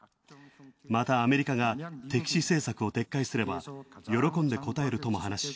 またアメリカが敵視政策を撤回すれば喜んで応えるとも話し。